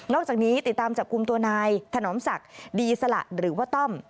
อกจากนี้ติดตามจับกลุ่มตัวนายถนอมศักดิ์ดีสละหรือว่าต้อม